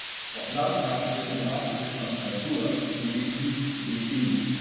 Auf Landkarten wird der Namensbestandteil "-burg" gelegentlich "-b̆g.